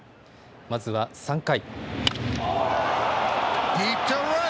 まずは３回。